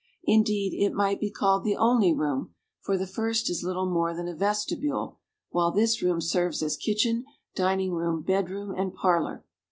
Indeed, it might be called the only room, for the first is little more than a vestibule, while this room serves as kitchen, dining room, bedroom, and parlor.